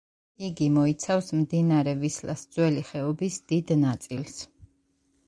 იგი მოიცავს მდინარე ვისლას ძველი ხეობის დიდ ნაწილს.